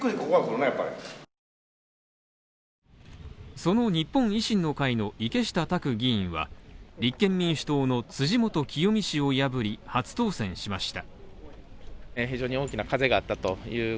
その日本維新の会の池下卓議員は立憲民主党の辻元清美氏を破り初当選しました。